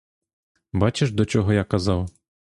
Бачиш, до чого я казав?